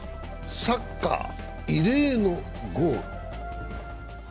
サッカー、異例のゴール。